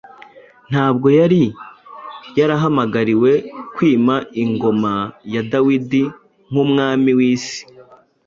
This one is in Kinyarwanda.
Ntabwo yari yarahamagariwe kwima ingoma ya Dawidi nk’Umwami w’isi.